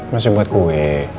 masih buat kue